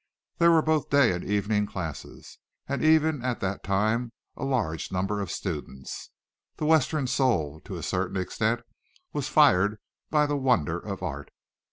There were both day and evening classes, and even at that time a large number of students. The western soul, to a certain extent, was fired by the wonder of art.